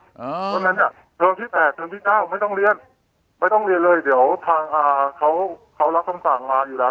เพราะฉะนั้นเนี่ยเทอมที่๘เทอมที่๙ไม่ต้องเรียนไม่ต้องเรียนเลยเดี๋ยวทางเขารับคำสั่งมาอยู่แล้ว